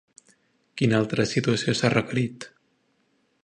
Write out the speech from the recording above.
Quina altra situació s'ha requerit?